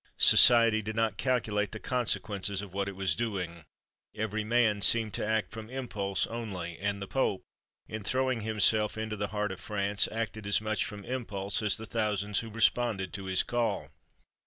Society did not calculate the consequences of what it was doing. Every man seemed to act from impulse only; and the Pope, in throwing himself into the heart of France, acted as much from impulse as the thousands who responded to his call.